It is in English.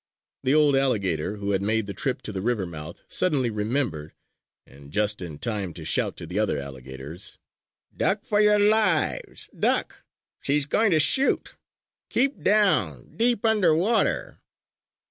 The old alligator who had made the trip to the river mouth suddenly remembered, and just in time to shout to the other alligators: "Duck for your lives! Duck! She's going to shoot! Keep down deep under water."